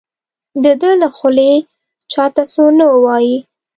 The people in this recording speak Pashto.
د ده له خولې چا ته څه ونه وایي.